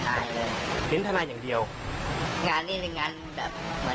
คือมีผู้ที่เขามีความรู้ด้านปืน